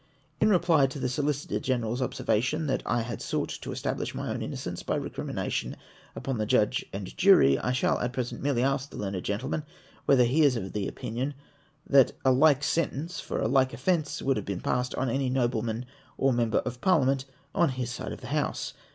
In reply to the Solicitor G enerars observation, that I had sought to establish my own innocence by recrimination upon the Judge and Jury, I shall at present merely ask the learned gentleman w^hether he is of opinion that a like sen tence for a like offence w^ould have been passed on any noble man or member of Parliament on his side of the House